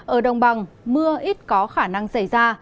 ở đồng bằng mưa ít có khả năng xảy ra